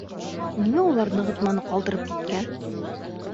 Ниңә улар нығытманы ҡалдырып киткән?